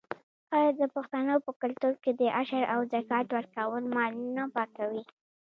آیا د پښتنو په کلتور کې د عشر او زکات ورکول مال نه پاکوي؟